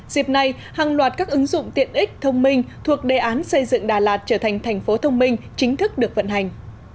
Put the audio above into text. dịp này hàng loạt các ứng dụng tiện ích thông minh thuộc đề án xây dựng đà lạt trở thành thành phố thông minh chính thức được vận hành